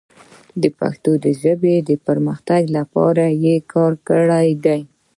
د پښتو ژبې د پرمختګ لپاره یې کار کړی دی.